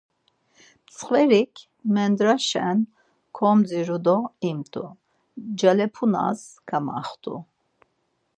Mskverik mendraşen komdziru do imt̆u. Ncalepunas kamaxtu.